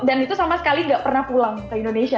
dan itu sama sekali gak pernah pulang ke indonesia